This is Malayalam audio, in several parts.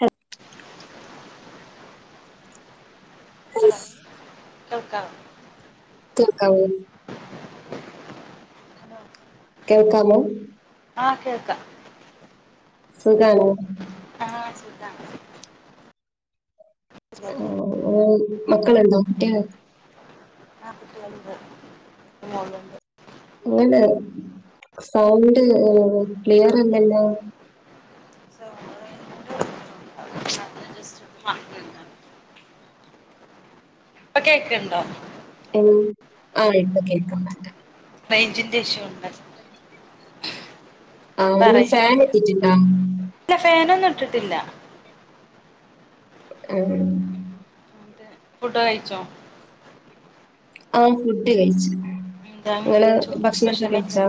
ഹ അത കേൾക്കാം കേൾക്കാവോ ഹലോ കേൾക്കാമോ ആഹ കേൾക്ക സുഖാണ് ആഹ് ശത ഓ മക്കളുണ്ടാവ മറ്റേ ആ കുട്ടികളുണ്ട് മോളുണ്ട് അങ്ങണ്ട് സൗണ്ട് ക്ലിയർ ഉണ്ടല്ലോ അതുകൊണ്ട് അത് ഒന്ന് മാറ്റിയിടണം. ഇപ്പൊ കേക്കണ്ടോ ആഹ ഇപ്പൊ കേക്കാംണ്ട റേഞ്ചിന്റെ ഇഷൂ ഉണ്ട് ആഹ പറയ് ഫൻ [inaudible] ഇട്ടിട്ടുണ്ടോ ിട്ടില്ല ആഹ ഫുട്ട് കഴിച്ചോ ആഹ ഫുഡ് കഴിച്ചു എന്താണ് നിങ്ങള് ചോറിന് ഭക്ഷണംൊക്കെ കഴിച്ച സ്പെഷ്യലൊക്കെ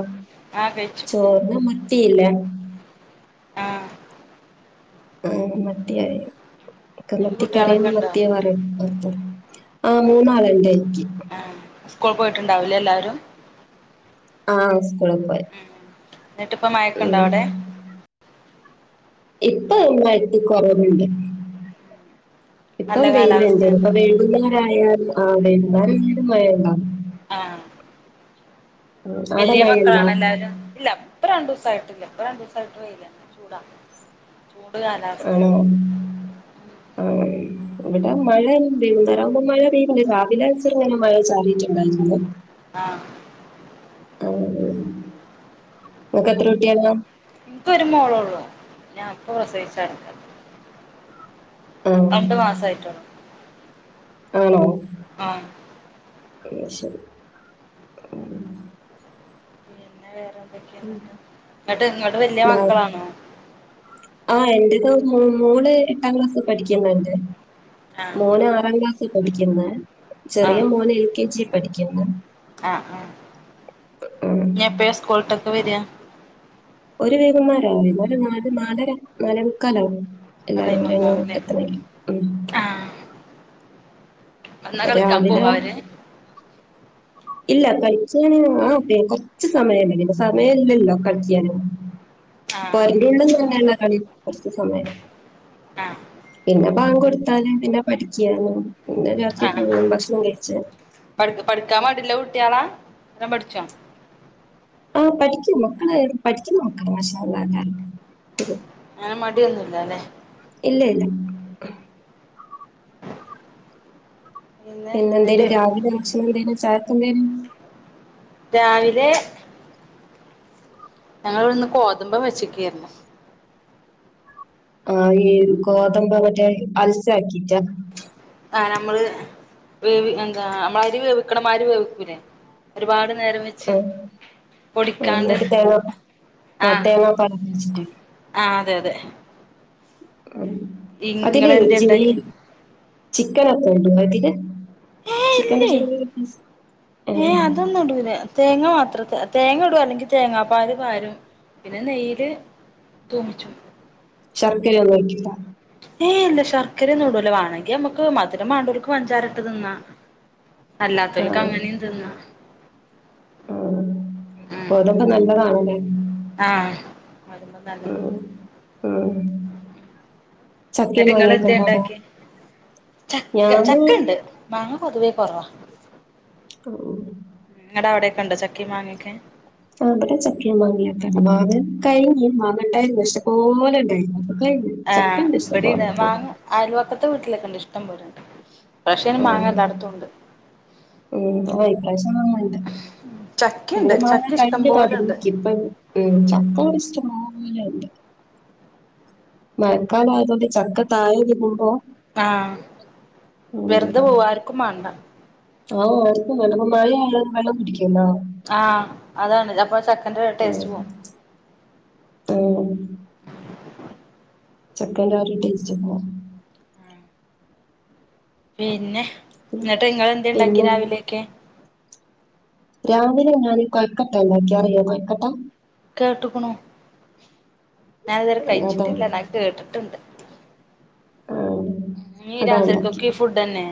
ആ കഴിച്ചു ചോർന്ന പറ്റല്ല ആ ആ മത്തിയക്കെ നിനക്ക് മത്തി കറിയൻ കുട്ടികളൊക്കെ ഉണ്ടോ മത്തിയെ പറർത്ത ആഹ് മൂന്നാളണ്ട് എനിക്ക് ആ സ്കൂൾ പോയിട്ടുണ്ടാവില്ലേ എല്ലാരും ആഹ സ്കൂള പോയ എന്നിട്ടിപ്പ മയക്കുണ്ടോ അവിടെ ഇപ്പൊ എണ്ടായിത്തി കൊറന്നുണ്ട് നല്ല ഇപ്പം വെയിലുണ്ട് കാലാവസ്ഥയാണ് ഇപ്പ വേണ്ട ാലും ആത എല്ലരുംരും മയണ്ട ആ വലിയ മഴയുണ്ടോ മക്കളാണ് എല്ലാരും ഇല്ല ഇപ്പ രണ്ടു ദിവസം ദസായിട്ടില്ല ഇപ്പൊ രണ്ടു ദിവസമായിട്ട് വയില ചൂടാ ചൂട് ആഹ കാലാവസ്ഥയാണ് ആഹ ഇവിടെ മഴന്തതറാവുമ്പോ മഴ പെയ്യണ്ട് രാവിലാസ ഇങ്ങനെ മഴ ചാടിയിട്ടുണ്ടായിരുന്നു ആഹ ആ ക്ക എത്ര രട്ടിയല്ല ഇനിപ്പ ഒരു മോളള്ളൂ ഞാൻപ്പ പ്രസവിച്ച ആ രണ്ടു മാസ ആയിട്ടോ ആണോ ആഹ അ ശരി ഉ പിന്നെ വേറെന്തൊക്കെയാ ഇങ്ങട്ട് ഇങ്ങോട്ട് വല്യ നാ- മക്കളാണോ ആ എന്ത് മോള് എട്ടാം ക്ലാസ് പഠിക്കുന്നണ്ട് ആഹ് മോന് ആറാം ക്ലാസ് പഠിക്കുന്ന് ചെറിയ മോന് എൽ കെ ജി പഠിക്കുന്ന് ആ ആ ഉം ഇനിയെപ്പോഴാ സ്കൂളട്ടക്കെ വെരിക്കാ [inaudible] ആ ടൈമൊക്കെ ആവുല്ലേ [unintelligible] വന്നാ അപ്പൊ കളിക്കാൻ രാവിലെ പോവാ അവര് ഇല്ല കളിക്കാന് ആ പി കൊറച്ച് സമയല്ല പിന്നെ സമയില്ലല്ലോ കളിക്കാന് [inaudible] ആഹ് ആഹ് പിന്നെ ബാഗ് കൊടുത്തല് പിന്നെ പഠിക്കാല് പിന്നെ രാത്രി ഫുളും ഭക്ഷണം കഴിച്ച് പഠ പഠിക്കാൻ മടിയുള്ള കുട്ടിയാണ എല്ലാം പഠിച്ചോ ആ പഠിക്കും മക്കള് പഠിക്കുന്ന മക്കള് മാഷാ അള്ളാ എല്ലാരും അങ്ങനെ മടിയൊന്നുല്ലല്ലെ ഇല്ല ഇല്ല പിന്നെ എന്തേലും രാവിലെ ഭക്ഷണം എന്തേലും ചായയ്ക്കു എന്തേലും രാവിലെ ഞങ്ങള് ഇവിടെന്ന് കോതുബ് വെച്ചക്കായിരുന്നു ആ ഈ ഗോതമ്പ് മറ്റേ അൽസ ആക്കിട്ടാ ആ നമ്മള് വേവി എന്താ നമ്മൾ അരി വേവിക്കണ മാതിരി വേവിക്കൂലേ ഒരുപാട് [inaudible] ആ പൊടിക്കാണ്ട് എന്നിട്ട് തേങ്ങാപ്പ ആ തേങ്ങാപ്പല് വച്ചിട്ട് ആ അതെ അതെ അതില് ഇങ്ങള് എന്തേ ചി ഉണ്ടാക്കി ചിക്കൻനോക്കെ ഇടുവോ അതില് ഏ ചിക്കന്റെ ഇല്ലേ ചെറിയ പീസ് ഏ ഏഹ് അതൊന്നും ഇടുല്ല തേങ്ങ മാത്രം തേങ്ങ ഇടുക അല്ലെങ്കി തേങ്ങപ്പാല് പാരും പിന്നെ നെയ്യില് തൂമിച്ചും ചർക്കരയൊന്നും ഓയ്ക്കില്ല ഏ ഇല്ല ശർക്കരയൊന്നുടൂലാ വേണങ്കി നമക്ക് മധുരം മണ്ടൂര്ക്ക് പഞ്ചാരട്ട് നിന്നാ അല്ലാത്തൊരുക് അങ്ങനെയും തിന്നാം ആ ഗോതമ്പ് നല്ലതാണല്ലേ ആ ഗോതമ്പ് നല്ല ഉം ഉം ചക്കയും എന്നിട്ട് നിങ്ങള് മാങ്ങയൊക്കെ എന്ത ഉണ്ടോ അവിടെ ഉണ്ടാക്കിയെ ചക്ക ഞാന് ചക്ക ഉണ്ട് മാങ്ങ പൊതുവേ [inaudible] ഓ കണ്ട ചക്കയു മാങ്ങക്കെ ആവിടെ ചക്കയും മാങ്ങ കഴിഞ്ഞ് മാങ്ങട്ടായിരുന്നു ക്ഷേകോല ഉണ്ടായി ആ ഇബട മാങ്ങ അയൽവക്കത്തെ വീട്ടിലൊക്കെ ഇണ്ട് ഇഷ്ടം പോലെണ്ട് ഇപ്രാവശ്യം മാങ്ങ എല്ലായിടത്തും ഉണ്ട് [unintelligible] ചക്കയിണ്ട് [unintelligible] ചക്ക ഇഷ്ടം പോലെണ്ട് മഴക്കാലമായതുകൊണ്ട് ചക്ക തായരിക്കുമ്പോ ആ വെറുതെ പോവാർക്കും വേണ്ട ആ ആർക്കും വേണ്ട മഴ വള്ള കുടിക്കും ആ അതാണ് അപ്പൊ ചക്കന്റെ ടേസ്റ്റ് പോവും മ്മ് ചക്കന്റെ ആ ഒരു ടേസ്റ്റ് പോവും പിന്നെ ഉം എന്നിട്ട് നിങ്ങള്ളന്ത് ഉണ്ടാക്കിയെ പിന്നെ രാവിലെയൊക്കെ രാവിലെ ഞാനും കോഴിക്കട്ടാ അറിയോ കോഴിക്കട്ടാ കെട്ടേക്കാണ്ണു ഞാന് ഇതുവരെ അതാ കഴിച്ചിട്ടില്ല ഞാൻ കേട്ടിട്ടുണ്ട് ആ ഈ അതാ ഉണ്ടാക്കി രാത്രിക്കൊക്കെ ഫുഡ് തന്നെ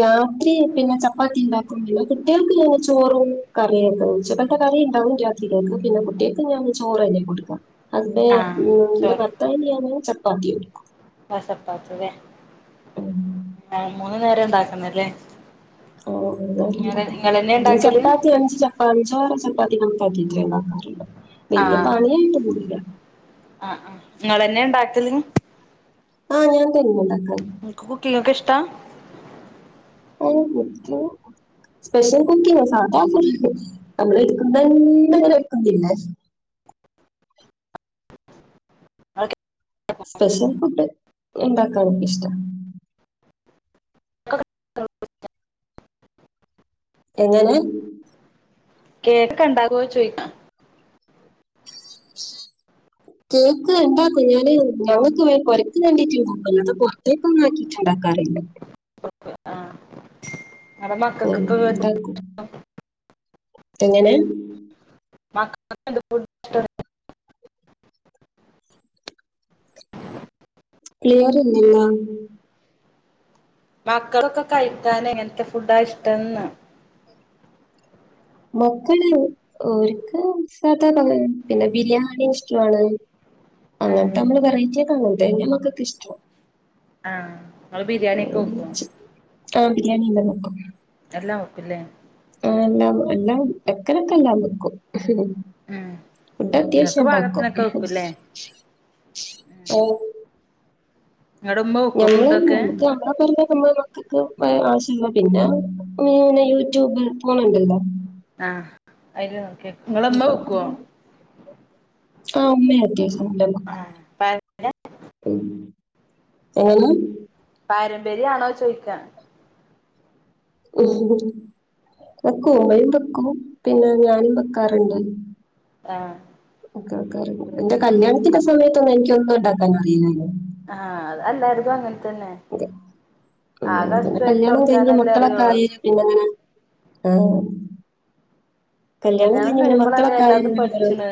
രാത്രി പിന്നെ ചപ്പാത്തി ഉണ്ടാക്കും കുട്ടികൾക്ക് ചോറും കറിയും ഒക്കെെ കറ ഉണ്ടാവും രാത്രികൾക്ക് പിന്നെ കുട്ടികൾക്ക് ഞാൻ ചോറ് തന്നെയെ കൊടുക്കാം ആഹ് ഹസ്ബൻഡ് എന്റെ ഭത്തായിയാന ചപ്പാത്തി എടുക്കും ചപ്പാത്തിനെ ആ മൂന്ന് നേരം ഉണ്ടാക്കുന്നല്ലേ ഇങ്ങള് ഇങ്ങളന്നെ ഇണ്ടാക്കല് ചപ്പാത്തി അച് ചപ്പാച ചപ്പാത്തി നണപ്പത്തി [unintelligible] വലിയ ആഹ് പണിയായിട്ട് കൂടില്ല നിങ്ങന്നെ ഉണ്ടാക്കല ആഹ് ഞാൻ തനിയ ഉണ്ടാക്കുന്നെ എനിക്ക് കുക്കീങ്ങൊക്കെ ഇഷ്ടാ [inaudible] സ്പെഷ്യൽ കുക്കി സാധാ നമ്മള് എടുക്കുന്ന എന്തര വക്കുന്നല്ലേ [inaudible] ഓക്കേ സ്പെഷ്യൽ ഫുഡ് ഉണ്ടാക്കാനക്ക ഇഷ്ട്ടവ [inaudible] എങ്ങനെ കേക്ക ഇണ്ടാകുവോ ചോയ്ിക്ക കേക്ക് ഇണ്ടാക്കും ഞാന് ഞങ്ങക്ക് പുരക്ക് കേണ്ടിട്ട്ുണ്ടാക്കും അത് പുറത്തേക്കൊന്ന ആക്കിയിട്ട്ുണ്ടാക്കും ക [unintelligible] നിങ്ങടെ ഉം, മക്കൾക്കൊക്കെ ഉണ്ടാക്കും - എങ്ങനെ ഫുറ്റോ [unintelligible] ക്ലിയർറില്ലിയോ മക്കളൊക്കെ കഴിക്കാൻ എങ്ങനത്തെ ഫുഡാ ഇഷ്ടന്നാ മക്കള് ഒക്ക് സാദാ പ പിന്നെ ബിരിയാണി ഇഷ്ടമാണ് അങ്ങനത്തെ നമ്മള് പറയറ്റട്ട അങ്ങനത്തെ തന്നെ നമ്മക്കൊക്കെ ഇഷ്ടമാണ് ആഹ നിങ്ങൽ ബിരിയാണിയ ഒക്കെ വെക്കുവ ആഹ ബിരിയാണി എല്ലാം നോക്കും എല്ലാം ഒപ്പില്ലേ ആ എല്ലാം എല്ലാം എക്കനൊക്കെ എല്ലാം വയ്ക്കും ഉം ഇവിടെ അത്യാവശ്യം നിങ്ങക്ക് ഉണ്ടാക്കും പാകത്തിനൊക്കെ വെക്കൂല്ലേ ഓ നിങ്ങളുടെ ഉമ്മ വെക്കോ നമ്മള് ഫുഡൊക്കെ നക്ക് നമ്മളെ മക്കൾക്ക് ആശ പിന്നെനെ യൂട്യൂബ് പോണണ്ടല്ലോ ആ അല്ല നോക്കെ നിങ്ങളന്നാ വെക്കുവോ ആഹ ഉമ്മ ആയിരിക്കും എല്ലാം വയ്ക്കും ആഹ് പാര എങ്ങനെ പാരമ്പര്യ ആണോ ചോയിക്കൻ ഓ വെക്കും ഓമ്മയും വെക്കും പിന്നെ ഞാനും വെക്കാറുണ്ട് ആഹ എന്റെ കല്യാണത്തിന്റെ സമയത്തൊന്നും എനിക്ക ഒന്നും ഉണ്ടാക്കാൻ അറിയില്ലായിോ ആഹ അതല്ലായിരുന്നു അങ്ങനെ തന്നെ ആ കടിച്ചു തുറക്കാനല്ല മക്കളൊക്കായി പിന്നങ്ങനെ ആ- കല്യാണം കഴിയുമ്പളല്ലേ മക്കളൊക്കെ ആ എല്ലാതും പഠിച്ച്ണ്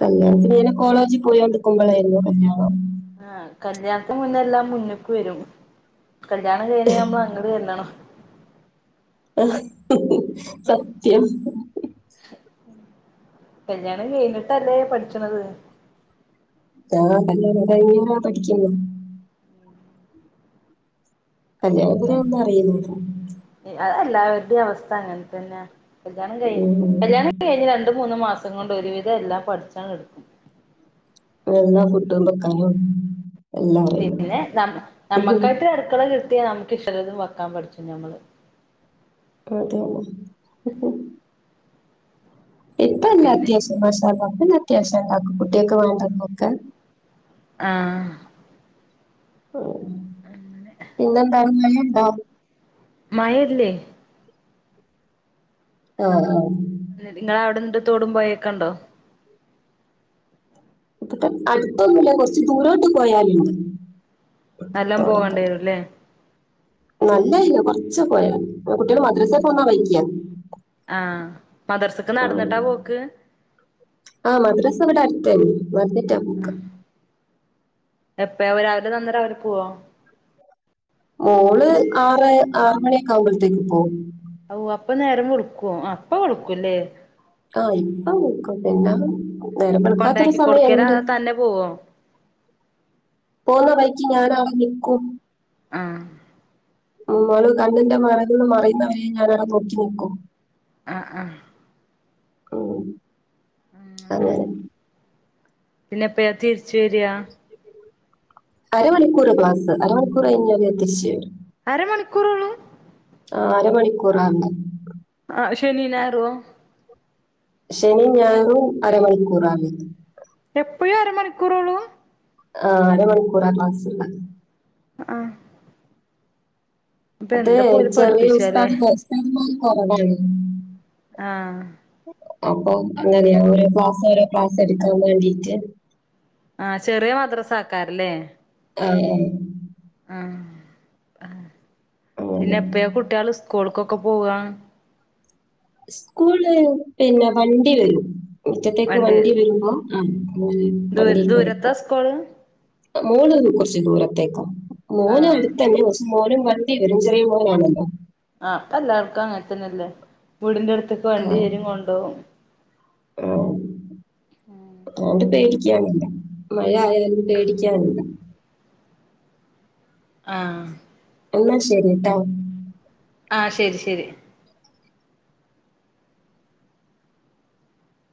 കല്യാണത്തിന് ഇങ്ങനെ കോളേജിൽ പോയി കൊടുക്കുമ്പോളായിരുന്നു കല്യാണം ആ കല്യാണത്തിന് മുന്ന എല്ലാം മുന്നക്ക് വരും കല്യാണം കഴിഞ്ഞ നമ്മള് അങ്ങട്ട് ചെല്ലണം ആ സത്യം കല്യാണ് കഴഞ്ഞിട്ടല്ലേ പഠിച്ചണത് ആല്ല പഠിക്കുന്നു കല്യാണത്തിന് ഒന്നും അറിയുന്നില്ല പിന്നെ അതല്ലാവ ഈ അവസ്ഥ അങ്ങനെ തന്നെയാ കല്യാണം കഴിഞ്ഞ് ഉം കല്യാണം കഴിഞ്ഞതാണ്. രണ്ട് മൂന്ന് മാസം കൊണ്ട് ഒരുവിധം എല്ലാം പഠിച്ചാങ്ങ് എടുക്കും [unintelligible] അറിയും പിന്നെ നമ്മ ഉം നമുക്കായിട്ട് അടുക്കള കി നമുക്ക് ഇഷ്ടള്ളത് വെക്കാൻ പഠിച്ചു ഞമ്മള് അതോ ഇപ്പ എല്ലാ പിന്നെ അത്യാവശ്യം [unintelligible] കുട്ടിയൊക്കെ വേണ്ടതോക്കെ ആ ഉ പിന്നെന്ത [unintelligible] മഴയില്ലെ ആ ആ നിങ്ങളെ അവിടെ എന്നിട്ട് തോടും പോയൊക്കൊണ്ടോ അപ്പ അടുത്തൊന്നുമില്ല കൊറച്ച് ദൂരോട്ട് പോയാല് നല്ലോം തുടക്ക പോകേണ്ടി വരുംല്ലേ നല്ലായില്ല കൊറച്ച് പോയ കുട്ടികള് മദ്രസേപോന്ന വയിക്കാ ആ മദർസൊക്കെ നടന്നിട്ടാ പോക്ക് ആ മദ്രാസ ഇവിടെ അടുത്തന്നെ വന്നിട്ടാ പോക്ക് എപ്പ രാവിലെ വന്നാ രാവിലെ പോവോ മോള് ആറെ ആറ് മണിയൊക്കെ ആവുമ്പോഴത്തേക്ക് പോകും. ഓ അപ്പ നേരം വെളുക്കോ അപ്പൊ വെളുക്കൂല്ലേ ആ ഇപ്പ വെളുക്കും, പിന്നെ നേരെ വെളുക്കാത്തൊരു കൊണ്ടാക്കി കൊടുക്കലാ സമയെണ്ട്. അതോ തന്നെ പോവോ പോണ വഴിക്കി ഞാനാ അവിടെ നിൽക്കും. ആ മമ്മള് കണ്ണിന്റെ മറെന്ന് മറയുന്നവരെ ഞാനവിടെ നോക്കി നിക്കും. ആ ആ ഉ ആഹ് അങ്ങനെ പിന്നെ എപ്പഴാ തിരിച്ചു വരിയാ അരമണിക്കൂർ ക്ലാസ് അരമണിക്കൂർ കഴിഞ്ഞാല് തിരിച്ചു വരും അരമണിക്കൂറുള്ളൂ ആ അരമണിക്കൂറാന്ന് ശനിയും ഞായറുമോ ശനി ഞായറും അരമണിക്കൂറാന്ന് എപ്പഴും അരമണിക്കൂറുള്ളൂ ആ അരമണിക്കൂറാ ക്ലാസ് ആ അതെ ചെറിയ പഠിപ്പിച്ചാലേ [unintelligible] ആ അപ്പൊ അങ്ങനെയാ ഓരോ ക്ലാസ് ഓരോ ക്ലാസ് എടുക്കാൻ വേണ്ടിട്ട് ആ ചെറിയ മദ്രസ ആക്കാരല്ലേ ആ ആ ആ പിന്നെ എപ്പഴാ കുട്ടികള് സ്കൂൾക്കൊക്കെ പോവാ സ്കൂള് പിന്നെ വണ്ടി വരും, മുറ്റത്തേക്ക് വണ്ടി വരുമ്പോ ദൂ വണ്ടീ ദൂരത്താ കേറിപ്പോ സ്കൂള് മോള് കുറച്ച് ദൂരത്തേക്കാ. മോന് ആഹ് അടുത്ത് തന്നെ, പക്ഷേ മോനും വണ്ടി വരും ചെറിയ മോനാണല്ലോ. ആ അപ്പൊ എല്ലാവർക്കും അങ്ങനെ തന്നെല്ലേ, വീടിന്റെ അടുത്ത്. ത്തേക്ക് ആ വണ്ടി വരും കൊണ്ടോവും. അതുകൊണ്ട് [unintelligible] മഴ ആയാലും പേടിക്കാനില്ല. ആഹ് എന്നാ ശരിട്ടാ. ആ ശെരി ശെരി